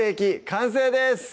完成です